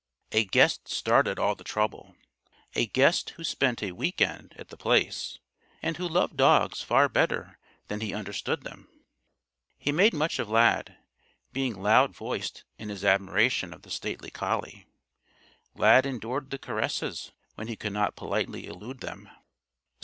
A guest started all the trouble a guest who spent a week end at The Place and who loved dogs far better than he understood them. He made much of Lad, being loud voiced in his admiration of the stately collie. Lad endured the caresses when he could not politely elude them.